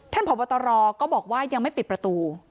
พบตรก็บอกว่ายังไม่ปิดประตู